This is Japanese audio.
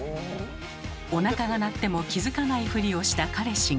おなかが鳴っても気付かないふりをした彼氏が。